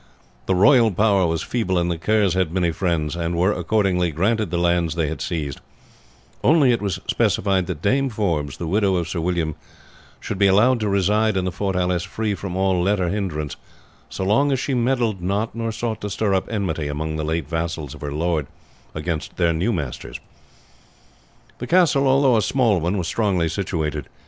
The royal power was feeble, and the Kerrs had many friends, and were accordingly granted the lands they had seized; only it was specified that Dame Forbes, the widow of Sir William, should be allowed to reside in the fortalice free from all let or hindrance, so long as she meddled not, nor sought to stir up enmity among the late vassals of her lord against their new masters. The castle, although a small one, was strongly situated.